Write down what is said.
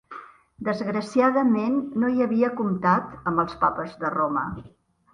Desgraciadament, no hi havia comptat, amb els papes de Roma.